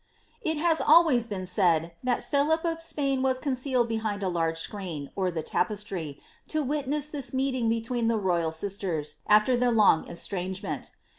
It has always been said, that Philip of Spain was concealed behind a large screen, or the tapestry, to witness this meeting between the royal sisters, after their long estrangement.